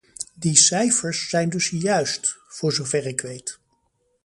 Die cijfers zijn dus juist, voor zover ik weet.